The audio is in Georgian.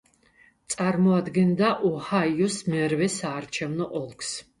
წარმოადგენდა ოჰაიოს მერვე საარჩევნო ოლქს.